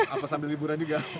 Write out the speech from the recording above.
apa sambil liburan juga